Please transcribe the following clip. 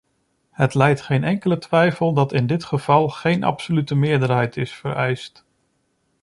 Het lijdt geen enkele twijfel dat in dit geval geen absolute meerderheid is vereist.